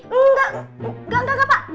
eh enggak enggak enggak pak